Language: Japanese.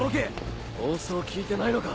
放送聞いてないのか？